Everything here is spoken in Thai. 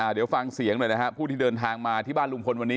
เดี๋ยวฟังเสียงหน่อยนะครับผู้ที่เดินทางมาที่บ้านลุงพลวันนี้